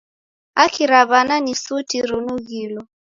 Haki ra w'ana ni suti rinughilo.